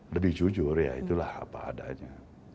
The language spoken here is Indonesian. lebih jujur ya itulah apa adanya